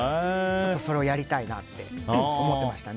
それをやりたいなって思ってましたね。